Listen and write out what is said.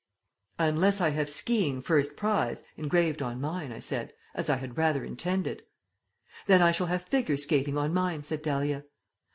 "Unless I have 'Ski ing, First Prize' engraved on mine," I said, "as I had rather intended." "Then I shall have 'Figure Skating' on mine," said Dahlia.